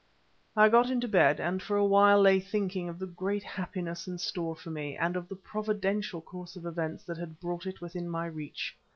I got into bed, and for awhile lay awake thinking of the great happiness in store for me, and of the providential course of events that had brought it within my reach.